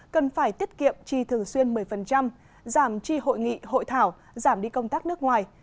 cần phải tiết kiệm chi thường xuyên một mươi giảm chi hội nghị hội thảo giảm đi công tác nước ngoài